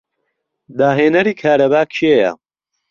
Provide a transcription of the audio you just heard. داهێنەری کارەبا کێیە؟